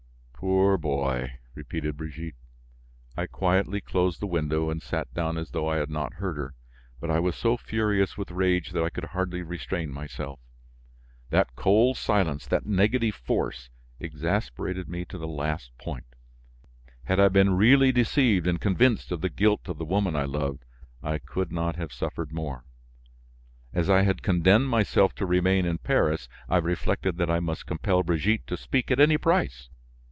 "Poor boy!" repeated Brigitte. I quietly closed the window and sat down as though I had not heard her; but I was so furious with rage that I could hardly restrain myself. That cold silence, that negative force, exasperated me to the last point. Had I been really deceived and convinced of the guilt of the woman I loved, I could not have suffered more. As I had condemned myself to remain in Paris, I reflected that I must compel Brigitte to speak at any price.